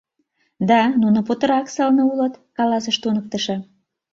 — Да, нуно путырак сылне улыт, — каласыш туныктышо.